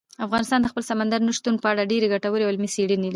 افغانستان د خپل سمندر نه شتون په اړه ډېرې ګټورې او علمي څېړنې لري.